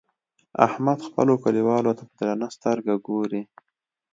احمد خپلو کليوالو ته په درنه سترګه ګوري.